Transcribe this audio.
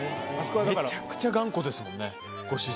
めちゃくちゃ頑固ですもんねご主人。